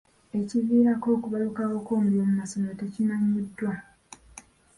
Ekiviirako okubalukawo kw'omuliro mu masomero tekimanyiddwa.